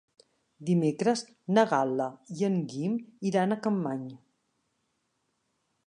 Dimecres na Gal·la i en Guim iran a Capmany.